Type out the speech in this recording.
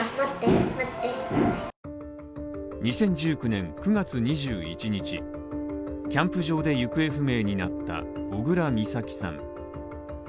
２０１９年９月２１日、キャンプ場で行方不明になった小倉美咲さん。